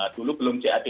dulu belum cat